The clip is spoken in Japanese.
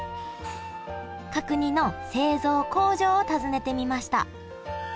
角煮の製造工場を訪ねてみました